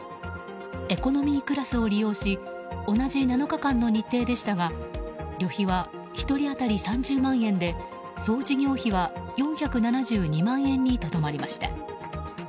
エコノミークラスを利用し同じ７日間の日程でしたが旅費は１人当たり３０万円で総事業費は４７２万円にとどまりました。